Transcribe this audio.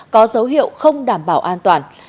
có dấu hiệu không đảm bảo an toàn